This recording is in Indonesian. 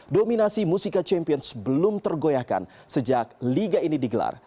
dominasi musika champions belum tergoyahkan sejak liga ini digelar